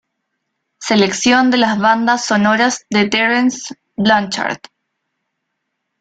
Selección de las bandas sonoras de Terence Blanchard.